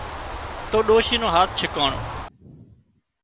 تو ڏوشِي نو هاٿ ڇڪاڻو